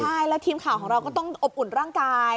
ใช่แล้วทีมข่าวของเราก็ต้องอบอุ่นร่างกาย